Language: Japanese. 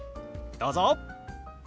どうぞ！